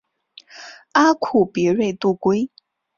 阿库别瑞度规。